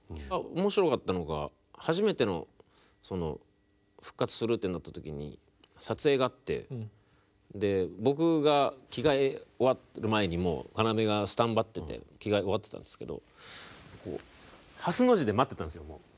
面白かったのが初めての復活するってなった時に撮影があって僕が着替え終わる前にもう要がスタンバってて着替え終わってたんですけどハスの字で待ってたんですよ。